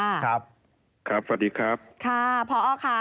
สวัสดีครับครับพ่อออกค่ะ